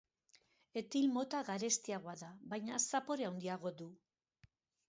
Etil mota garestiagoa da baina zapore handiagoa du.